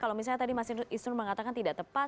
kalau misalnya tadi mas isrun mengatakan tidak tepat